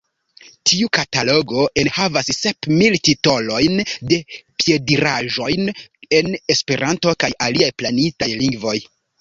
Tiu katalogo enhavas sep mil titolojn de periodaĵoj en Esperanto kaj aliaj planitaj lingvoj.